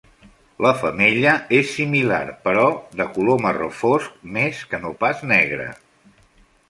La femella és similar, però de color marró fosc més que no pas negre.